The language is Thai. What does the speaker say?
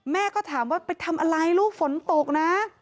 แม่ก็ถามว่าไปทำอะไรลูกฝนตกนะ